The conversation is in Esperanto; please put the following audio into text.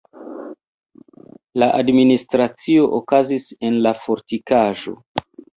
La administracio okazis en la fortikaĵo.